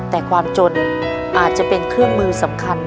แต่ความจนอาจจะเป็นเครื่องมือสำคัญ